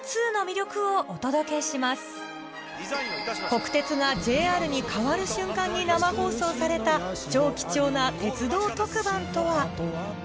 国鉄がＪＲに変わる瞬間に生放送された超貴重な鉄道特番とは？